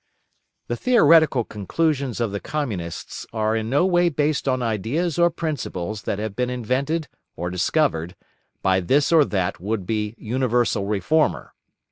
The theoretical conclusions of the Communists are in no way based on ideas or principles that have been invented, or discovered, by this or that would be universal reformer.